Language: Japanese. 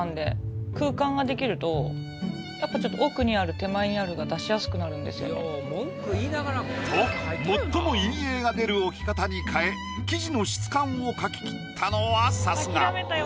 ちょっとこうと最も陰影が出る置き方に変え生地の質感を描ききったのはさすが。